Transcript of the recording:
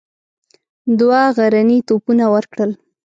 دوه غرني توپونه ورکړل.